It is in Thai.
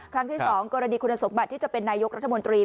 ครั้งที่๒กรณีคุณสมบัติที่จะเป็นนายกรัฐมนตรี